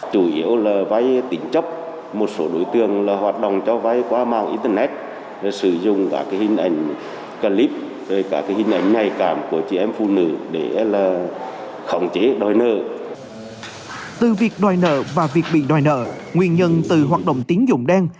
từ việc đòi nợ và việc bị đòi nợ nguyên nhân từ hoạt động tiến dụng đen